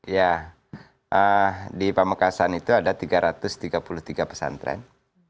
ya di pamekasan itu ada tiga ratus tiga puluh tiga pesantren